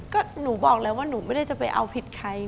ก็หนูบอกแล้วว่าหนูไม่ได้จะไปเอาผิดใคร